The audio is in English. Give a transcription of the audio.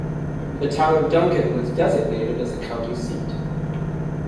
The town of Duncan was designated as the county seat.